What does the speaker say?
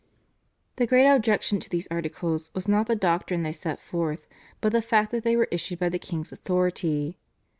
The great objection to these Articles was not the doctrine they set forth, but the fact that they were issued by the king's authority.